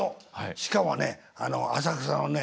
しかもね浅草のね